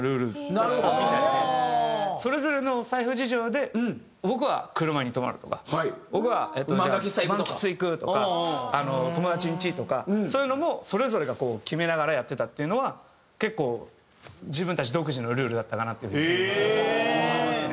なるほどね。それぞれのお財布事情で「僕は車に泊まる」とか「僕は漫喫行く」とか「友達んち」とかそういうのもそれぞれが決めながらやってたっていうのは結構自分たち独自のルールだったかなっていう風に思いますね。